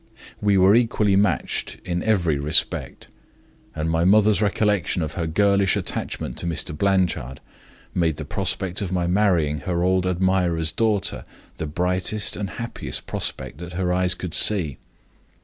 We were equally matched in every respect, and my mother's recollection of her girlish attachment to Mr. Blanchard made the prospect of my marrying her old admirer's daughter the brightest and happiest prospect that her eyes could see.